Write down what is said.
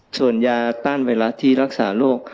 ส่วนยาต้านไวรัสที่รักษาโรค